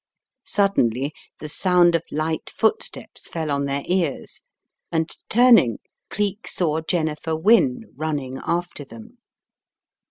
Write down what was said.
Suddenly the sound of light footsteps fell on their ears and, turning, Cleek saw Jennifer Wynne running after them.